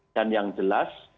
dan yang jelas